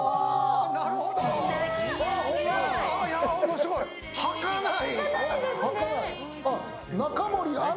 すごい、はかない！